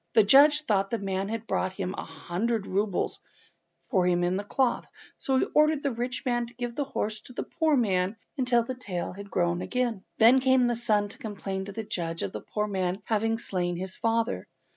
The judge thought the man had brought a hundred roubles for him in the cloth, so he ordered the rich man to give his horse to the poor man until the tail was grown again. Then came the son to complain to the judge of the poor man having slain his father.